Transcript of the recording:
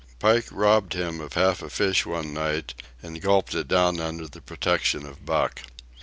Pike robbed him of half a fish one night, and gulped it down under the protection of Buck.